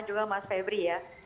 juga mas febri ya